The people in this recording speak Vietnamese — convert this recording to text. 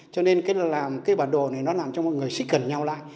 cho nên làm cái bản đồ này nó làm cho mọi người xích gần nhau lại